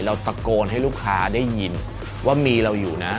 เราตะโกนให้ลูกค้าได้ยินว่ามีเราอยู่นะ